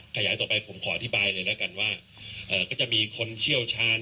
ขยายต่อไปผมขออธิบายเลยแล้วกันว่าก็จะมีคนเชี่ยวชาญ